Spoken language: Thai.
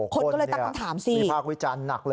คนก็เลยต้องถามสิมีภาควิจารณ์หนักเลย